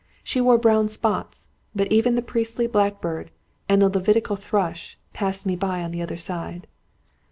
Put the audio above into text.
She wore brown spots. But even the priestly blackbird, and the Levitical thrush, passed me by on the other side."